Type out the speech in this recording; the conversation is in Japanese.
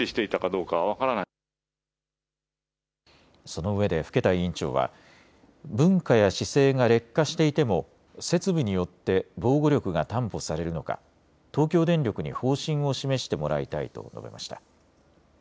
そのうえで更田委員長は文化や姿勢が劣化していても設備によって防護力が担保されるのか、東京電力に方針を示してもらいたいと述べました。